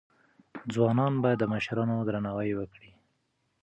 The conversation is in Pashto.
ځوانان باید د مشرانو درناوی وکړي.